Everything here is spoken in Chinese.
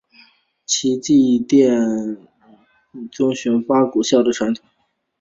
其祭孔典礼仍遵循古八佾舞的传统。